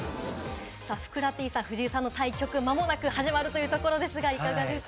ふくらＰさん、藤井さんの対局、まもなく始まるというところですが、いかがですか？